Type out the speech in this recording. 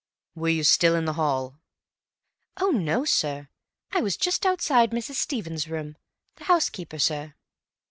"Were you still in the hall?" "Oh, no, sir. I was just outside Mrs. Stevens' room. The housekeeper, sir."